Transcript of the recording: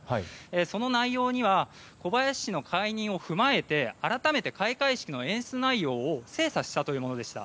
その内容には小林氏の解任を踏まえて改めて開会式の演出内容を精査したというものでした。